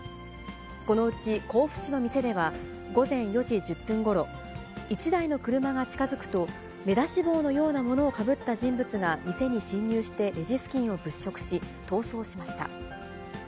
このうち甲府市の店では、午前４時１０分ごろ、１台の車が近づくと、目出し帽のようなものをかぶった人物が店に侵入してレジ付近を物色し、逃走しました。